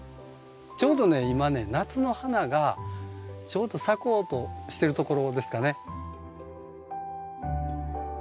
ちょうどね今ね夏の花がちょうど咲こうとしてるところですかね。